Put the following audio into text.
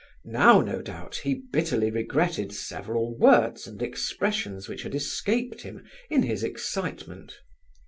Now, no doubt, he bitterly regretted several words and expressions which had escaped him in his excitement.